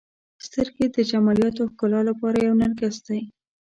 • سترګې د جمالیاتو او ښکلا لپاره یو نرګس دی.